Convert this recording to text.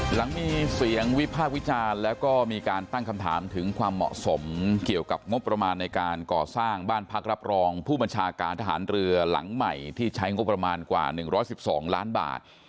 หลังมีเสียงวิพากษ์วิจารณ์แล้วก็มีการตั้งคำถามถึงความเหมาะสมเกี่ยวกับงบประมาณในการก่อสร้างบ้านพักรับรองผู้บัญชาการทหารเรือหลังใหม่ที่ใช้งบประมาณกว่า๑๑๒ล้านบาท